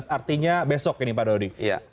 artinya besok ini pak dodi